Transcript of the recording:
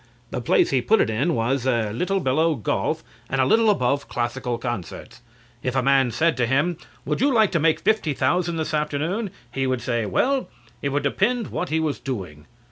The place he put it in was er a little below golf and a little above classical concerts. If a man said to him, "Would you like to make fifty thousand this afternoon?" he would say well, it would depend what he was doing.